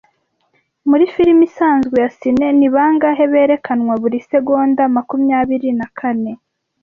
Muri firime isanzwe ya cine ni bangahe berekanwa buri segonda Makumyabiri na kane